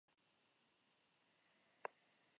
Su Ansar Dine dijo que era "contra las rebeliones.